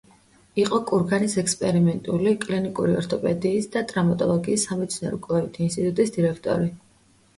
იყო კურგანის ექსპერიმენტული, კლინიკური ორთოპედიისა და ტრავმატოლოგიის სამეცნიერო-კვლევითი ინსტიტუტის დირექტორი.